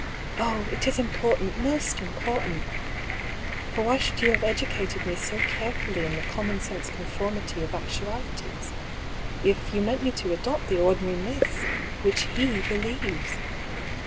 Oh ! it is impor tant, most important ! For why should you have edu cated me so carefully in the common sense conformity of actualities, if you meant me to adopt the ordinary myths which he believes